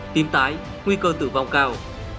tìm tái nguy cơ tử vong cao